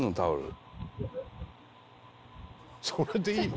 それでいいの？